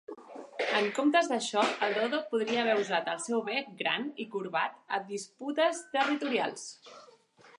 En comptes d'això, el dodo podria haver usat el seu bec gran i corbat a disputes territorials.